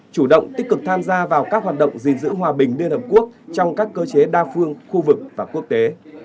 chủ động tích cực tham gia vào các hoạt động gìn giữ hòa bình liên hợp quốc trong các cơ chế đa phương khu vực và quốc tế